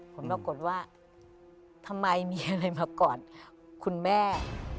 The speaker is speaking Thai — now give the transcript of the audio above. ผลปรากฏว่าทำไมมีอะไรมากอดคุณแม่